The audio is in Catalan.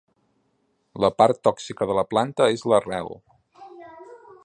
La part tòxica de la planta és l'arrel.